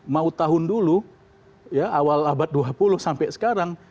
mau tahun dulu awal abad dua puluh sampai sekarang